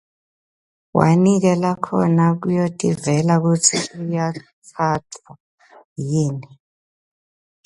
Wanikela khona kuyotivela kutsi uyatsatfwa yini.